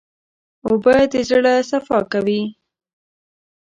اوبه د زړه صفا کوي.